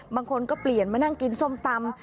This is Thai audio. บางคนก็เปลี่ยนมานั่งกินส้มตำ